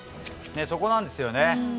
そこなんですよね。